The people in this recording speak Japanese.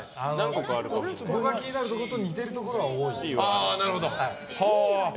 僕が気になるところと似てるところは多いですね。